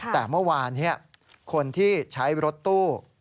แต่เมื่อวานคนที่ใช้รถตู้